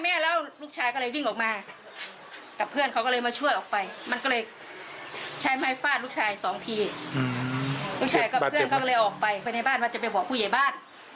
อืมลูกชายกับเพื่อนเขาก็เลยออกไปไปในบ้านมาจะไปห่วงผู้ใหญ่บ้าน